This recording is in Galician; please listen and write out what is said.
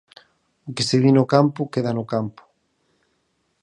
O que se di no campo queda no campo.